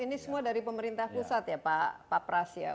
ini semua dari pemerintah pusat ya pak pras ya